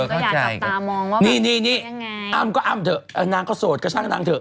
ก็อยากจับตามองว่านี่นี่อ้ำก็อ้ำเถอะนางก็โสดก็ช่างนางเถ